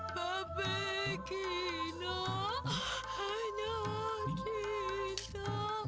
mau begini hanya cinta